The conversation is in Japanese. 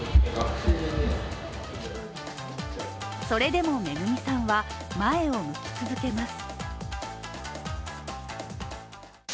それでも恵さんは、前を向き続けます。